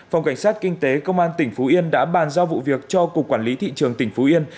phòng cảnh sát kinh tế công an tỉnh phú yên đã bàn giao vụ việc cho cục quản lý thị trường tỉnh phú yên